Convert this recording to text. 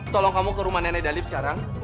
tolong kamu ke rumah nenek dalip sekarang